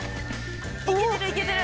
いけてるいけてる。